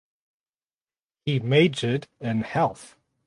He majored in health.